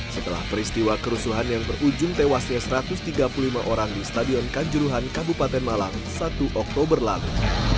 setelah peristiwa kerusuhan yang berujung tewasnya satu ratus tiga puluh lima orang di stadion kanjuruhan kabupaten malang satu oktober lalu